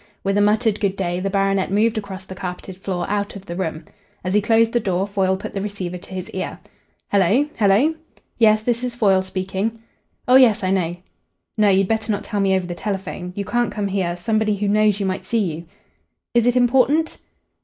With a muttered "Good day" the baronet moved across the carpeted floor out of the room. As he closed the door Foyle put the receiver to his ear. "Hello! Hello!... Yes, this is Foyle speaking. Oh yes, I know.... No, you'd better not tell me over the telephone. You can't come here. Somebody who knows you might see you.... Is it important?...